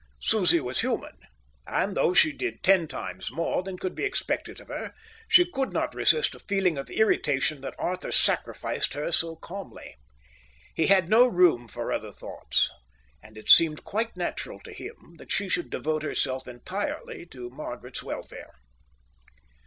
Susie was human; and, though she did ten times more than could be expected of her, she could not resist a feeling of irritation that Arthur sacrificed her so calmly. He had no room for other thoughts, and it seemed quite natural to him that she should devote herself entirely to Margaret's welfare.